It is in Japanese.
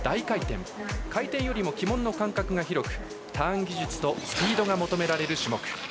回転より旗門の間隔が広くターン技術とスピードが求められる種目。